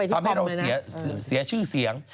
ทำให้เราเสียชื่อเสียง